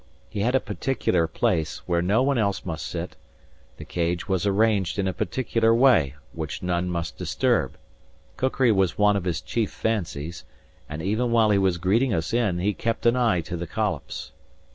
He had a particular place, where no one else must sit; the Cage was arranged in a particular way, which none must disturb; cookery was one of his chief fancies, and even while he was greeting us in, he kept an eye to the collops.